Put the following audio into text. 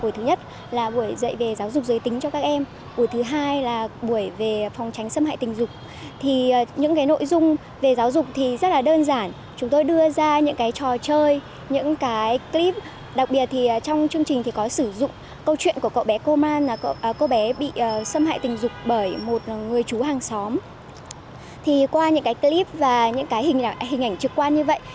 thì qua những cái clip và những cái hình ảnh trực quan như vậy